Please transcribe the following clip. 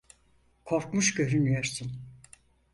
Korkmuş görünüyorsun.